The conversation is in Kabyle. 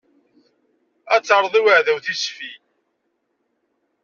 Ad terreḍ i uɛdaw tisfi.